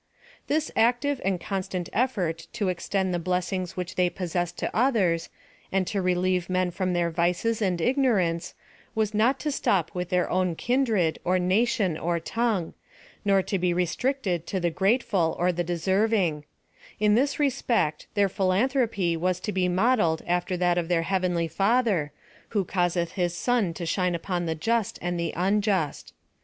This active and constant effort to extend the blessings which they possessed to others, and to re lieve men from their vices and ignorance, was not to stop with their own kindred, or nation, or tongue. * il8 PHILOSOPHF OP THE nor to be restricted to the grateful, or the deserving ; ill this respect, tlieir philanthropy was to be modelled after that of their heavenly Father, who causeth his sun to shine upon the just and the unjust.